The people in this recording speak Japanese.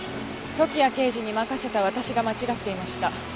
時矢刑事に任せた私が間違っていました。